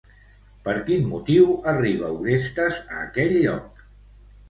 Per quin motiu arriba Orestes a aquell lloc?